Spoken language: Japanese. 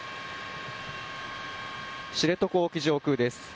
知床上空です。